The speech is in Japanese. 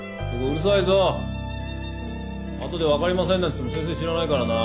あとで分かりませんなんて言っても先生知らないからな。